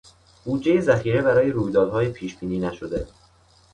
بودجهی ذخیره برای رویدادهای پیشبینی نشده